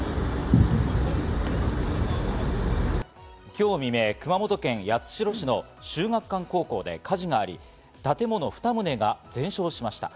今日未明、熊本県八代市の秀岳館高校で火事があり、建物２棟が全焼しました。